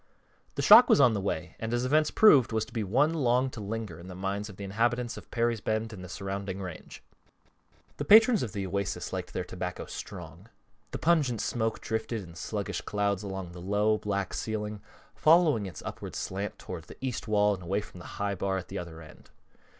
The shock was on the way, and as events proved, was to be one long to linger in the minds of the inhabitants of Perry's Bend and the surrounding range. The patrons of the Oasis liked their tobacco strong. The pungent smoke drifted in sluggish clouds along the low, black ceiling, following its upward slant toward the east wall and away from the high bar at the other end.